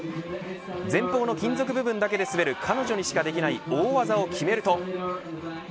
前方の金属部分だけで滑る彼女にしかできない大技を決めると。